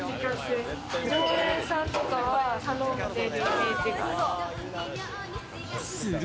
常連さんとか頼んでるイメージがある。